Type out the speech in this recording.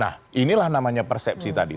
nah inilah namanya persepsi tadi